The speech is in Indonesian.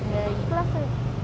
ya ikhlas sih